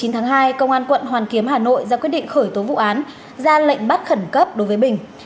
chín tháng hai công an quận hoàn kiếm hà nội ra quyết định khởi tố vụ án ra lệnh bắt khẩn cấp đối với bình